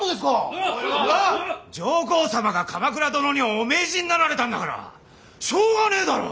上皇様が鎌倉殿にお命じになられたんだからしょうがねえだろ！